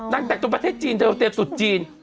นางแต่จนประเทศจีนเธอเต็ดตุดจีน